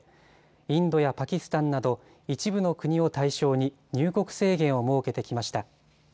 インドやパキスタンなど一部の国を対象に入国制限を設けてきました。